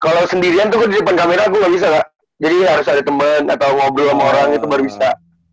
kalau sendirian tuh gue di depan kamera gue gak bisa kak jadi harus ada temen atau ngobrol sama orang itu baru bisa